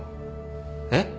えっ？